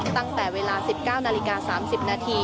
ตั้งแต่เวลา๑๙นาฬิกา๓๐นาที